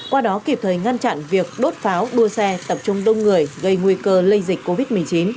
qua đó kịp thời ngăn chặn việc đốt pháo đua xe tập trung đông người gây nguy cơ lây dịch covid một mươi chín